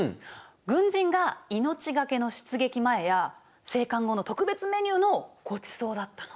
軍人が命懸けの出撃前や生還後の特別メニューのごちそうだったの。